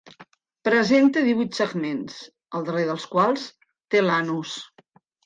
Presenta divuit segments, al darrer dels quals té l'anus.